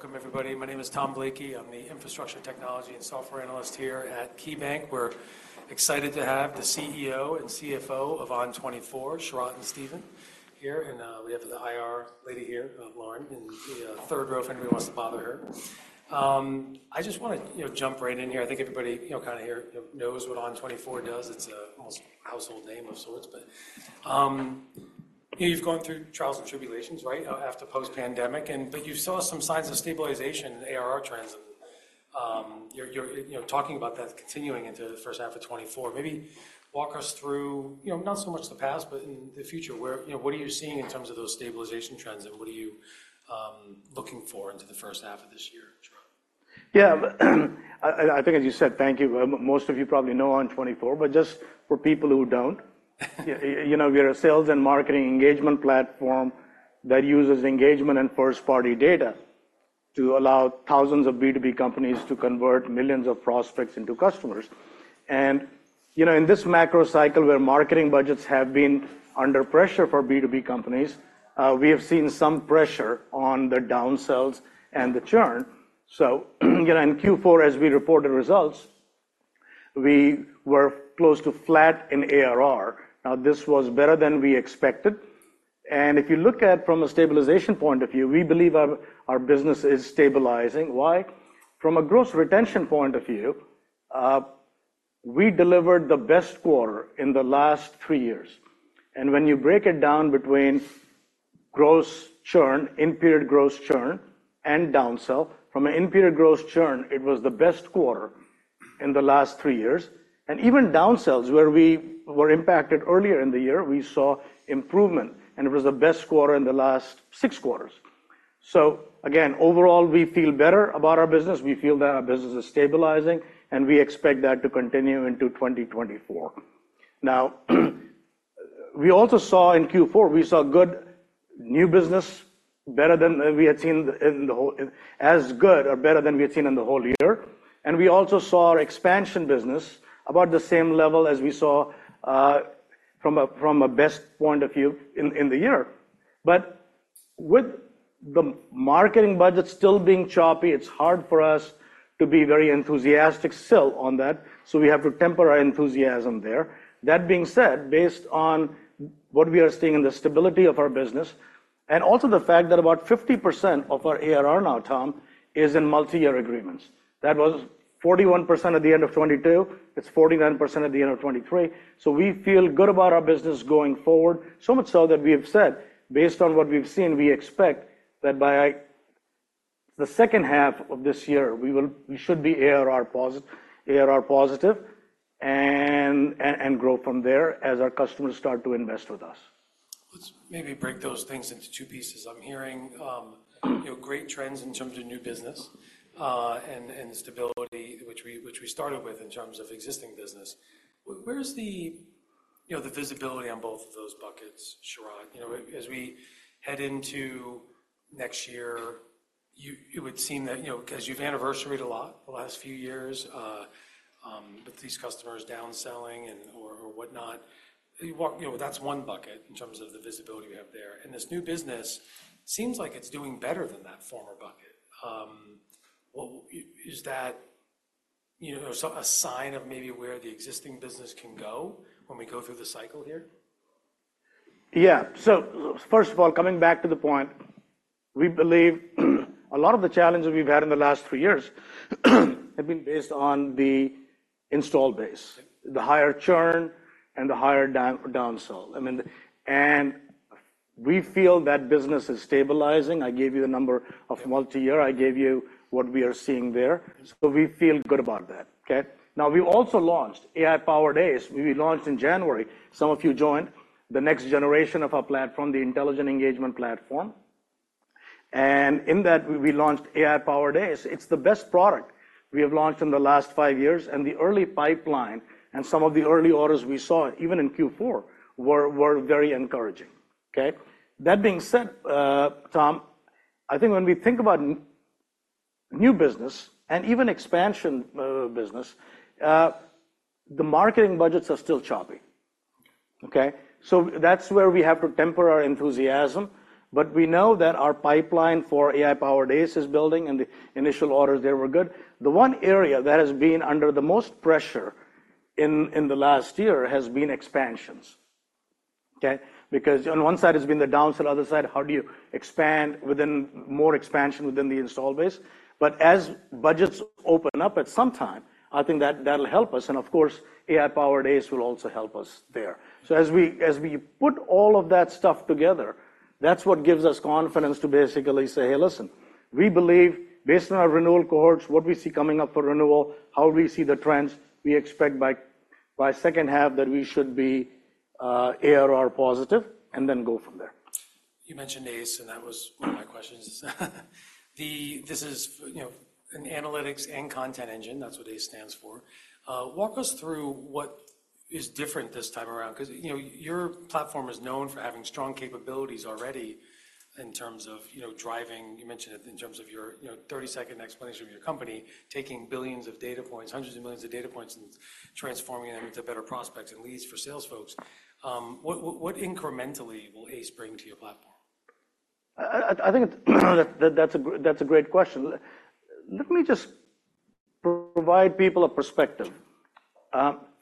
Welcome, everybody. My name is Tom Blakey. I'm the Infrastructure Technology and Software Analyst here at KeyBanc. We're excited to have the CEO and CFO of ON24, Sharat and Steven, here. We have the IR lady here, Lauren, in the third row if anybody wants to bother her. I just want to jump right in here. I think everybody here kind of knows what ON24 does. It's almost a household name of sorts. You've gone through trials and tribulations, right, after post-pandemic. You saw some signs of stabilization in ARR trends, and you're talking about that continuing into the first half of 2024. Maybe walk us through not so much the past, but in the future, what are you seeing in terms of those stabilization trends, and what are you looking for into the first half of this year, Sharat? Yeah. I think, as you said, thank you. Most of you probably know ON24. But just for people who don't, we are a sales and marketing engagement platform that uses engagement and first-party data to allow thousands of B2B companies to convert millions of prospects into customers. And in this macro cycle, where marketing budgets have been under pressure for B2B companies, we have seen some pressure on the downsells and the churn. So in Q4, as we reported results, we were close to flat in ARR. Now, this was better than we expected. And if you look at it from a stabilization point of view, we believe our business is stabilizing. Why? From a gross retention point of view, we delivered the best quarter in the last three years. And when you break it down between gross churn, in-period gross churn, and downsell, from an in-period gross churn, it was the best quarter in the last three years. And even downsells, where we were impacted earlier in the year, we saw improvement. And it was the best quarter in the last six quarters. So again, overall, we feel better about our business. We feel that our business is stabilizing. And we expect that to continue into 2024. Now, we also saw in Q4, we saw good new business, better than we had seen in the whole as good or better than we had seen in the whole year. And we also saw our expansion business about the same level as we saw from a best point of view in the year. But with the marketing budget still being choppy, it's hard for us to be very enthusiastic still on that. So we have to temper our enthusiasm there. That being said, based on what we are seeing in the stability of our business and also the fact that about 50% of our ARR now, Tom, is in multi-year agreements. That was 41% at the end of 2022. It's 49% at the end of 2023. So we feel good about our business going forward, so much so that we have said, based on what we've seen, we expect that by the second half of this year, we should be ARR positive and grow from there as our customers start to invest with us. Let's maybe break those things into two pieces. I'm hearing great trends in terms of new business and stability, which we started with in terms of existing business. Where's the visibility on both of those buckets, Sharat? As we head into next year, it would seem that because you've anniversaried a lot the last few years with these customers downselling or whatnot, that's one bucket in terms of the visibility we have there. This new business seems like it's doing better than that former bucket. Is that a sign of maybe where the existing business can go when we go through the cycle here? Yeah. So first of all, coming back to the point, we believe a lot of the challenges we've had in the last 3 years have been based on the install base, the higher churn, and the higher downsell. And we feel that business is stabilizing. I gave you the number of multi-year. I gave you what we are seeing there. So we feel good about that. Okay? Now, we also launched AI-powered ACE. We launched in January. Some of you joined. The next generation of our platform, the Intelligent Engagement Platform. And in that, we launched AI-powered ACE. It's the best product we have launched in the last 5 years. And the early pipeline and some of the early orders we saw, even in Q4, were very encouraging. Okay? That being said, Tom, I think when we think about new business and even expansion business, the marketing budgets are still choppy. Okay? So that's where we have to temper our enthusiasm. But we know that our pipeline for AI-powered ACE is building. And the initial orders there were good. The one area that has been under the most pressure in the last year has been expansions. Okay? Because on one side, it's been the downsell. On the other side, how do you expand with more expansion within the installed base? But as budgets open up at some time, I think that'll help us. And of course, AI-powered ACE will also help us there. So as we put all of that stuff together, that's what gives us confidence to basically say, "Hey, listen, we believe, based on our renewal cohorts, what we see coming up for renewal, how we see the trends, we expect by second half that we should be ARR positive and then go from there. You mentioned ACE, and that was one of my questions. This is an analytics and content engine. That's what ACE stands for. Walk us through what is different this time around. Because your platform is known for having strong capabilities already in terms of driving you mentioned it in terms of your 30-second explanation of your company, taking billions of data points, hundreds of millions of data points, and transforming them into better prospects and leads for sales folks. What incrementally will ACE bring to your platform? I think that's a great question. Let me just provide people a perspective.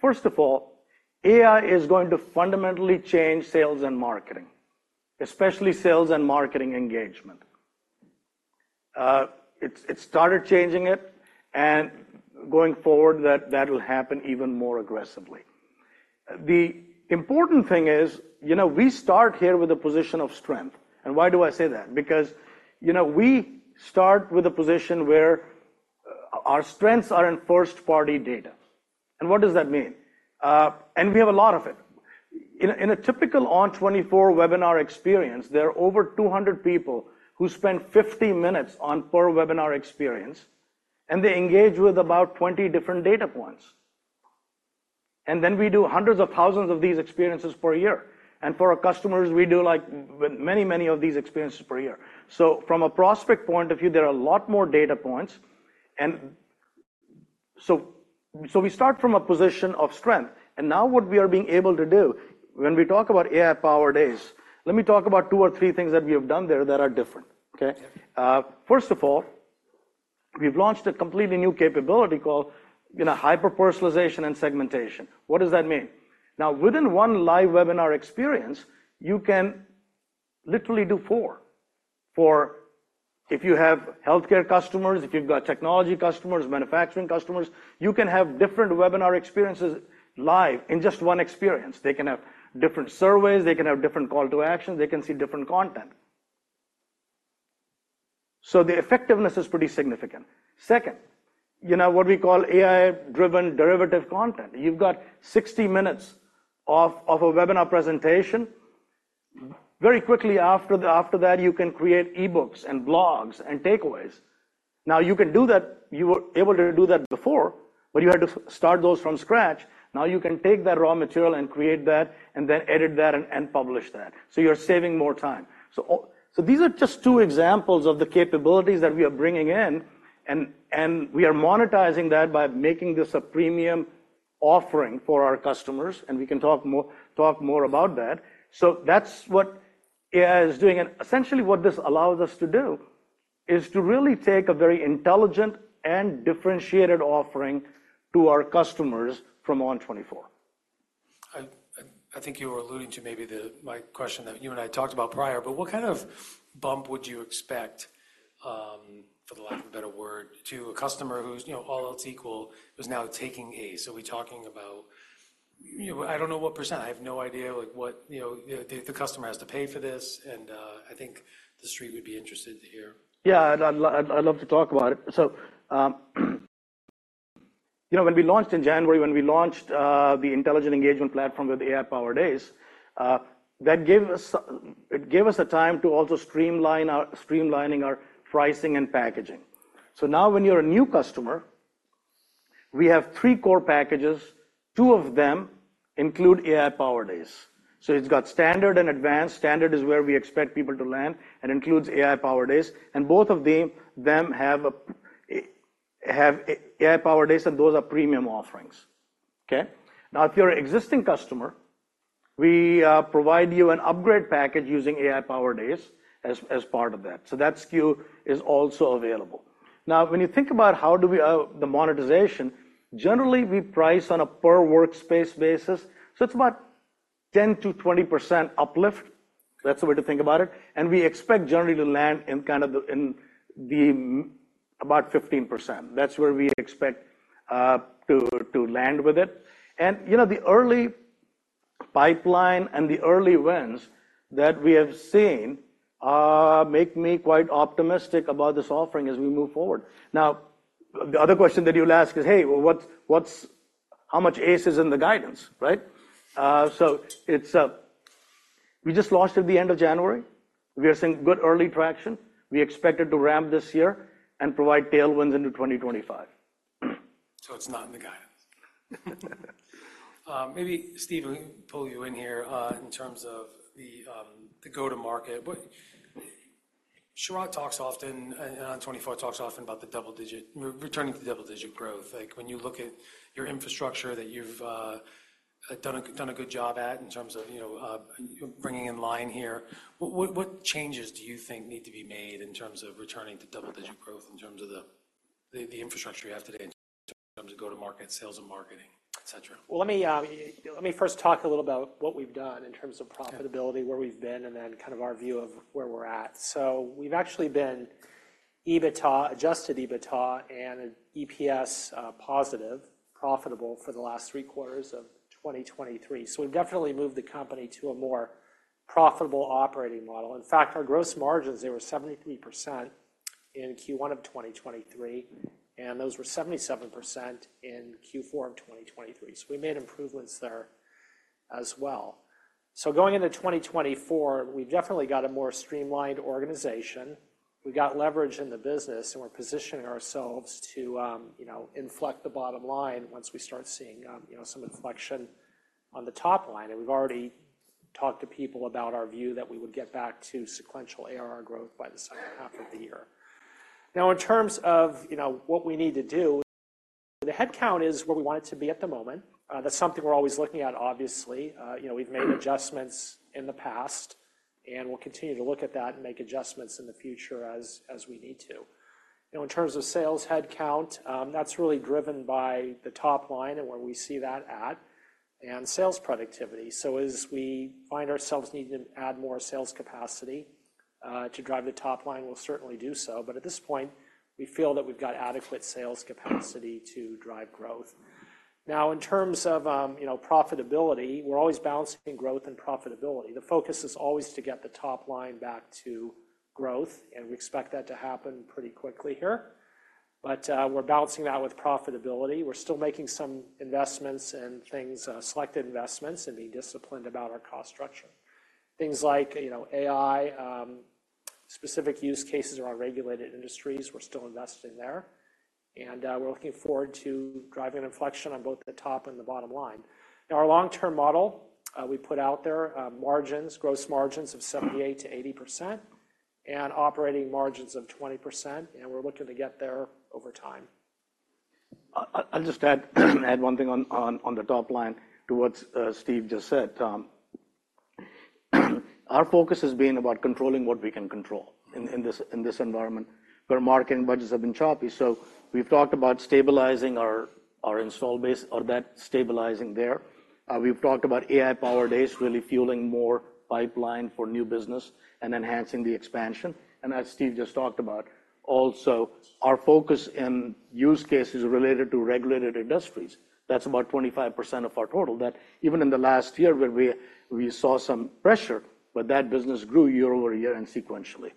First of all, AI is going to fundamentally change sales and marketing, especially sales and marketing engagement. It started changing it. Going forward, that'll happen even more aggressively. The important thing is, we start here with a position of strength. Why do I say that? Because we start with a position where our strengths are in first-party data. What does that mean? We have a lot of it. In a typical ON24 webinar experience, there are over 200 people who spend 50 minutes on per webinar experience. They engage with about 20 different data points. Then we do hundreds of thousands of these experiences per year. For our customers, we do many, many of these experiences per year. So from a prospect point of view, there are a lot more data points. And so we start from a position of strength. And now what we are being able to do, when we talk about AI-powered ACE, let me talk about two or three things that we have done there that are different. Okay? First of all, we've launched a completely new capability called hyper-personalization and segmentation. What does that mean? Now, within one live webinar experience, you can literally do four. If you have health care customers, if you've got technology customers, manufacturing customers, you can have different webinar experiences live in just one experience. They can have different surveys. They can have different call to actions. They can see different content. So the effectiveness is pretty significant. Second, what we call AI-driven derivative content. You've got 60 minutes of a webinar presentation. Very quickly after that, you can create e-books and blogs and takeaways. Now, you can do that. You were able to do that before. But you had to start those from scratch. Now, you can take that raw material and create that and then edit that and publish that. So you're saving more time. So these are just two examples of the capabilities that we are bringing in. And we are monetizing that by making this a premium offering for our customers. And we can talk more about that. So that's what AI is doing. And essentially, what this allows us to do is to really take a very intelligent and differentiated offering to our customers from ON24. I think you were alluding to maybe my question that you and I talked about prior. But what kind of bump would you expect, for lack of a better word, to a customer who's all else equal is now taking ACE? Are we talking about I don't know what percent? I have no idea what the customer has to pay for this. And I think the street would be interested to hear. Yeah. I'd love to talk about it. When we launched in January, when we launched the Intelligent Engagement Platform with AI-powered ACE, it gave us the time to also streamline our pricing and packaging. Now, when you're a new customer, we have three core packages. Two of them include AI-powered ACE. It's got standard and advanced. Standard is where we expect people to land and includes AI-powered ACE. Both of them have AI-powered ACE. Those are premium offerings. Okay? If you're an existing customer, we provide you an upgrade package using AI-powered ACE as part of that. That SKU is also available. When you think about how we do the monetization, generally, we price on a per-workspace basis. It's about 10%-20% uplift. That's the way to think about it. We expect generally to land in kind of about 15%. That's where we expect to land with it. The early pipeline and the early wins that we have seen make me quite optimistic about this offering as we move forward. Now, the other question that you'll ask is, hey, how much ACE is in the guidance? Right? We just launched it at the end of January. We are seeing good early traction. We expect it to ramp this year and provide tailwinds into 2025. So it's not in the guidance. Maybe, Steve, let me pull you in here in terms of the go-to-market. Sharat talks often and ON24 talks often about the double-digit returning to double-digit growth. When you look at your infrastructure that you've done a good job at in terms of bringing in line here, what changes do you think need to be made in terms of returning to double-digit growth in terms of the infrastructure you have today in terms of go-to-market, sales and marketing, et cetera? Well, let me first talk a little about what we've done in terms of profitability, where we've been, and then kind of our view of where we're at. So we've actually been adjusted EBITDA and EPS positive, profitable for the last three quarters of 2023. So we've definitely moved the company to a more profitable operating model. In fact, our gross margins, they were 73% in Q1 of 2023. And those were 77% in Q4 of 2023. So going into 2024, we've definitely got a more streamlined organization. We got leverage in the business. And we're positioning ourselves to inflect the bottom line once we start seeing some inflection on the top line. And we've already talked to people about our view that we would get back to sequential ARR growth by the second half of the year. Now, in terms of what we need to do. The headcount is where we want it to be at the moment. That's something we're always looking at, obviously. We've made adjustments in the past. We'll continue to look at that and make adjustments in the future as we need to. In terms of sales headcount, that's really driven by the top line and where we see that at and sales productivity. As we find ourselves needing to add more sales capacity to drive the top line, we'll certainly do so. But at this point, we feel that we've got adequate sales capacity to drive growth. Now, in terms of profitability, we're always balancing growth and profitability. The focus is always to get the top line back to growth. We expect that to happen pretty quickly here. But we're balancing that with profitability. We're still making some investments and selected investments and being disciplined about our cost structure, things like AI. Specific use cases are our regulated industries. We're still investing there. And we're looking forward to driving inflection on both the top and the bottom line. Now, our long-term model we put out there, gross margins of 78%-80% and operating margins of 20%. And we're looking to get there over time. I'll just add one thing on the top line to what Steve just said. Our focus has been about controlling what we can control in this environment where marketing budgets have been choppy. So we've talked about stabilizing our install base or that stabilizing there. We've talked about AI-powered ACE really fueling more pipeline for new business and enhancing the expansion. And as Steve just talked about, also, our focus in use cases related to regulated industries, that's about 25% of our total. Even in the last year, we saw some pressure. But that business grew year-over-year and sequentially.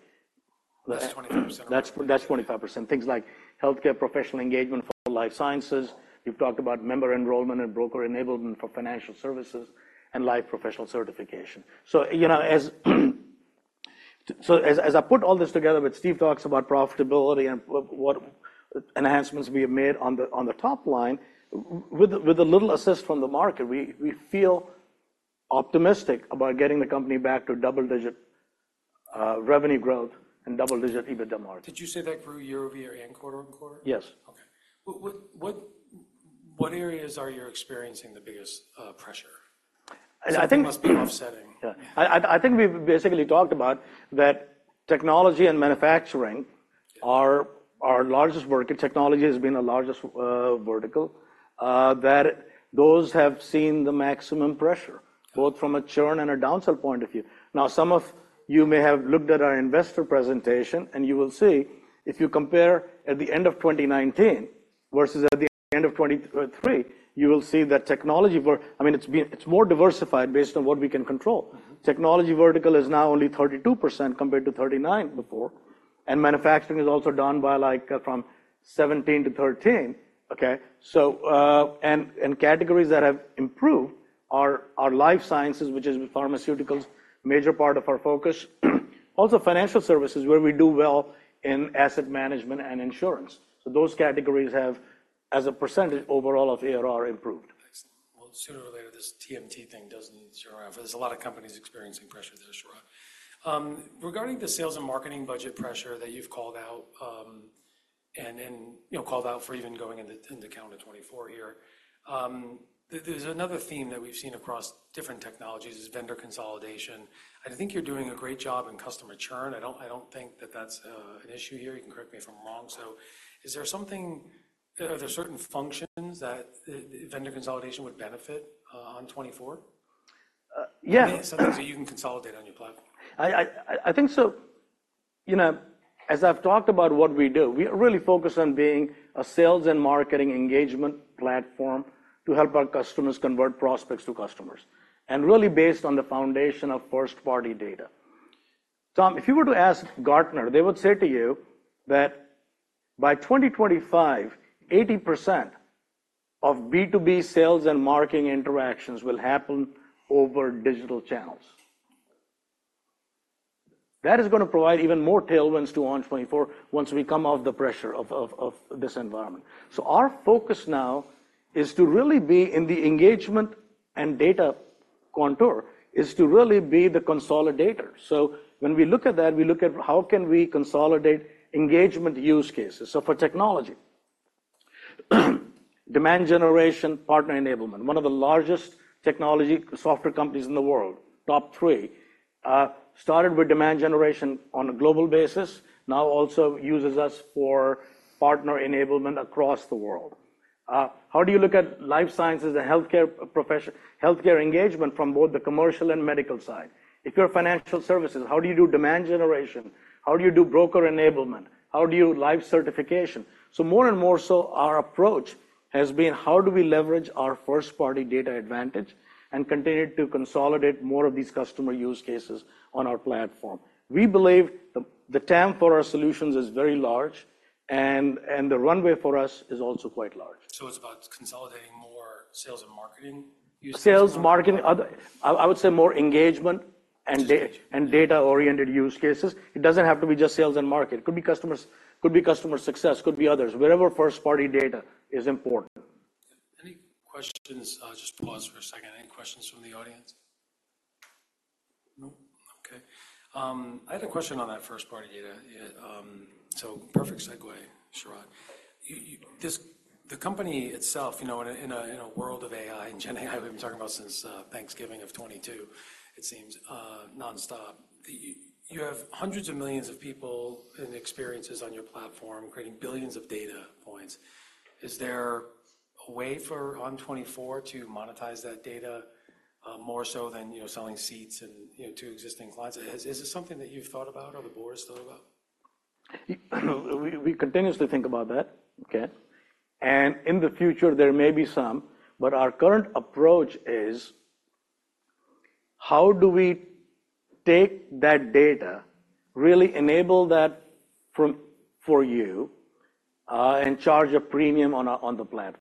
That's 25% of. That's 25%, things like health care professional engagement for life sciences. We've talked about member enrollment and broker enablement for financial services and life professional certification. So as I put all this together, but Steve talks about profitability and what enhancements we have made on the top line, with a little assist from the market, we feel optimistic about getting the company back to double-digit revenue growth and double-digit EBITDA margin. Did you say that grew year-over-year and quarter-over-quarter? Yes. OK. What areas are you experiencing the biggest pressure? I think. That must be offsetting. Yeah. I think we've basically talked about that technology and manufacturing are our largest vertical. Technology has been our largest vertical. Those have seen the maximum pressure, both from a churn and a downsell point of view. Now, some of you may have looked at our investor presentation. You will see, if you compare at the end of 2019 versus at the end of 2023, you will see that technology I mean, it's more diversified based on what we can control. Technology vertical is now only 32% compared to 39% before. Manufacturing is also down from 17%-13%. Okay? Categories that have improved are life sciences, which is pharmaceuticals, major part of our focus. Also, financial services, where we do well in asset management and insurance. So those categories have, as a percentage overall of ARR, improved. Excellent. Well, sooner or later, this TMT thing doesn't surround. There's a lot of companies experiencing pressure there, Sharat. Regarding the sales and marketing budget pressure that you've called out and called out for even going into calendar 2024 here, there's another theme that we've seen across different technologies is vendor consolidation. I think you're doing a great job in customer churn. I don't think that that's an issue here. You can correct me if I'm wrong. So are there certain functions that vendor consolidation would benefit ON24? Yeah. Something that you can consolidate on your platform? I think so. As I've talked about what we do, we are really focused on being a sales and marketing engagement platform to help our customers convert prospects to customers, and really based on the foundation of first-party data. Tom, if you were to ask Gartner, they would say to you that by 2025, 80% of B2B sales and marketing interactions will happen over digital channels. That is going to provide even more tailwinds to ON24 once we come off the pressure of this environment. So our focus now is to really be in the engagement and data content, is to really be the consolidator. So when we look at that, we look at how can we consolidate engagement use cases. So for technology, demand generation, partner enablement, one of the largest technology software companies in the world, top three, started with demand generation on a global basis, now also uses us for partner enablement across the world. How do you look at life sciences, the health care engagement from both the commercial and medical side? If you're financial services, how do you do demand generation? How do you do broker enablement? How do you do life certification? So more and more so, our approach has been, how do we leverage our first-party data advantage and continue to consolidate more of these customer use cases on our platform? We believe the TAM for our solutions is very large. The runway for us is also quite large. So it's about consolidating more sales and marketing use cases? Sales, marketing, I would say more engagement and data-oriented use cases. It doesn't have to be just sales and marketing. It could be customer success. It could be others, wherever first-party data is important. Any questions? I'll just pause for a second. Any questions from the audience? No? OK. I had a question on that first-party data. So perfect segue, Sharat. The company itself, in a world of AI and GenAI, we've been talking about since Thanksgiving of 2022, it seems, nonstop. You have hundreds of millions of people and experiences on your platform creating billions of data points. Is there a way for ON24 to monetize that data more so than selling seats to existing clients? Is this something that you've thought about or the board has thought about? We continuously think about that. Okay? And in the future, there may be some. But our current approach is, how do we take that data, really enable that for you, and charge a premium on the platform?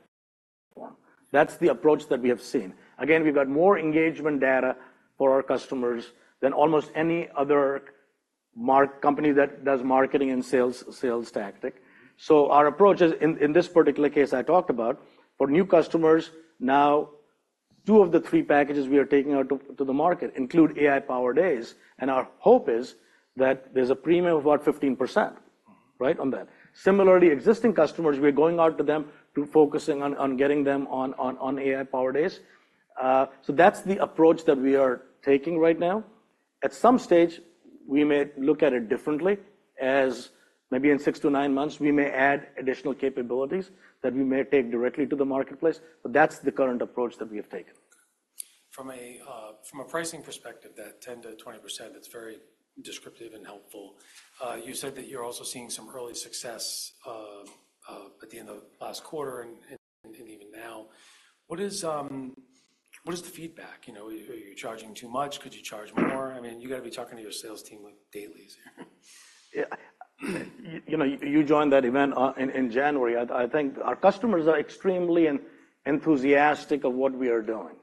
That's the approach that we have seen. Again, we've got more engagement data for our customers than almost any other company that does marketing and sales tactics. So our approach is, in this particular case I talked about, for new customers, now, two of the three packages we are taking out to the market include AI-powered ACE. And our hope is that there's a premium of about 15%, right, on that. Similarly, existing customers, we are going out to them focusing on getting them on AI-powered ACE. So that's the approach that we are taking right now. At some stage, we may look at it differently. Maybe in 6-9 months, we may add additional capabilities that we may take directly to the marketplace. But that's the current approach that we have taken. From a pricing perspective, that 10%-20%, that's very descriptive and helpful. You said that you're also seeing some early success at the end of last quarter and even now. What is the feedback? Are you charging too much? Could you charge more? I mean, you've got to be talking to your sales team daily here. Yeah. You joined that event in January. I think our customers are extremely enthusiastic of what we are doing.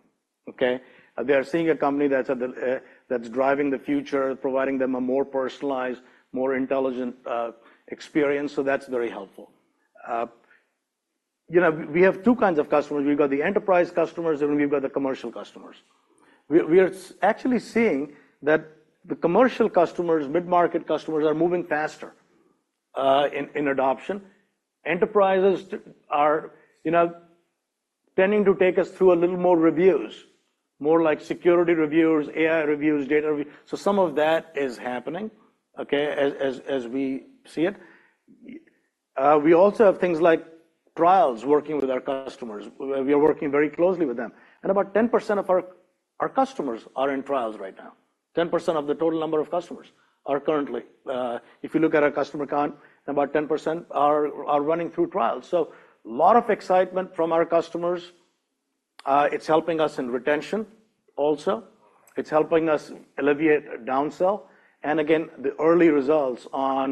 Okay? They are seeing a company that's driving the future, providing them a more personalized, more intelligent experience. That's very helpful. We have two kinds of customers. We've got the enterprise customers. We've got the commercial customers. We are actually seeing that the commercial customers, mid-market customers, are moving faster in adoption. Enterprises are tending to take us through a little more reviews, more like security reviews, AI reviews, data reviews. Some of that is happening as we see it. We also have things like trials working with our customers. We are working very closely with them. About 10% of our customers are in trials right now, 10% of the total number of customers are currently. If you look at our customer count, about 10% are running through trials. So a lot of excitement from our customers. It's helping us in retention also. It's helping us alleviate downsell. And again, the early results on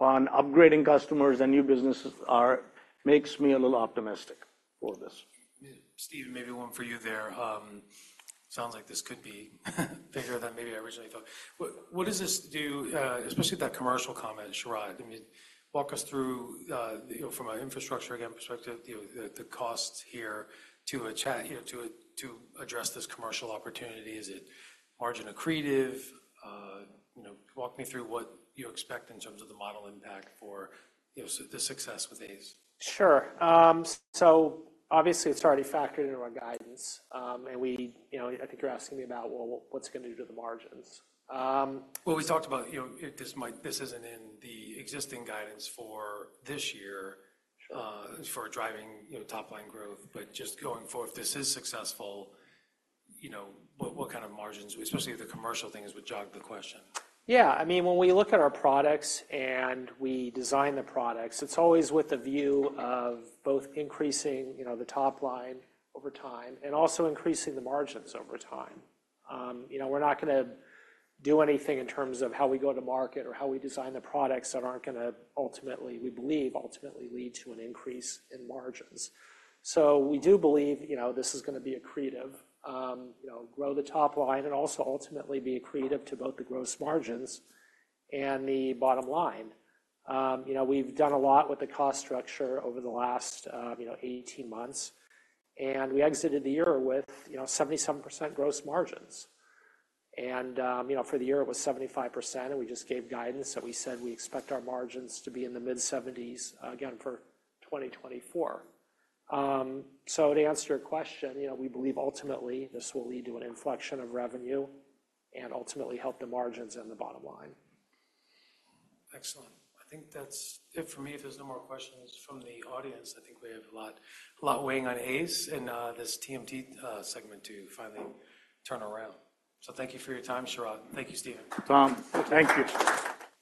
upgrading customers and new businesses makes me a little optimistic for this. Steve, maybe one for you there. Sounds like this could be bigger than maybe I originally thought. What does this do, especially that commercial comment, Sharat? I mean, walk us through, from an infrastructure again perspective, the costs here to address this commercial opportunity. Is it margin accretive? Walk me through what you expect in terms of the model impact for the success with ACE. Sure. So obviously, it's already factored into our guidance. And I think you're asking me about, well, what's it going to do to the margins? Well, we talked about this isn't in the existing guidance for this year for driving top line growth. But just going forth, this is successful. What kind of margins, especially the commercial things, would jog the question? Yeah. I mean, when we look at our products and we design the products, it's always with the view of both increasing the top line over time and also increasing the margins over time. We're not going to do anything in terms of how we go to market or how we design the products that aren't going to ultimately, we believe, ultimately lead to an increase in margins. So we do believe this is going to be accretive, grow the top line, and also ultimately be accretive to both the gross margins and the bottom line. We've done a lot with the cost structure over the last 18 months. And we exited the year with 77% gross margins. And for the year, it was 75%. And we just gave guidance. And we said we expect our margins to be in the mid-70s again for 2024. To answer your question, we believe ultimately, this will lead to an inflection of revenue and ultimately help the margins and the bottom line. Excellent. I think that's it for me. If there's no more questions from the audience, I think we have a lot weighing on ACE and this TMT segment to finally turn around. Thank you for your time, Sharat. Thank you, Steve. Tom, thank you.